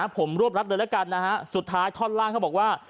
ผมรวบรัดเลยแล้วกันนะฮะสุดท้ายท่อนล่างเขาบอกว่า